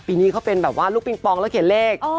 ปีนี้เขาเป็นแบบว่าลูกปิงปองแล้วเขียนเลข